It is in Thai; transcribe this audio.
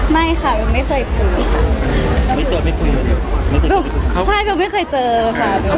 ไม่ค่ะผมไม่เคยเจอค่ะไม่เจอไม่เจอใช่ผมไม่เคยเจอค่ะ